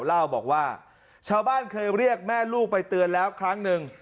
เล่าบอกว่าชาวบ้านเคยเรียกแม่ลูกไปเตือนแล้วครั้งหนึ่ง